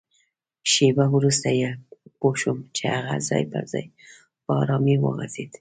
شېبه وروسته پوه شوم چي هغه ځای پر ځای په ارامۍ وغځېد.